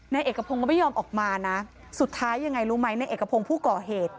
นายเอกพงศ์ก็ไม่ยอมออกมานะสุดท้ายยังไงรู้ไหมในเอกพงศ์ผู้ก่อเหตุ